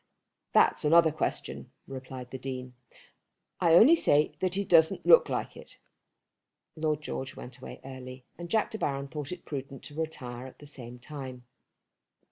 "That's another question," replied the Dean. "I only say that he doesn't look like it." Lord George went away early, and Jack De Baron thought it prudent to retire at the same time.